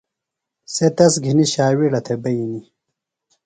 سےۡ تس گِھنی ݜاویڑہ تھےۡ بئینیۡ۔